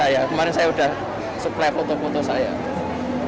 ya kemarin saya sudah supply foto foto saya saya sudah foto saya kasih semua